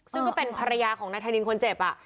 ซึ่งก็เป็นภรรยาของนายธานินคนเจ็บ